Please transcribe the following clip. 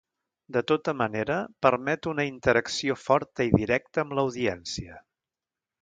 De tota manera, permet una interacció forta i directa amb l'audiència.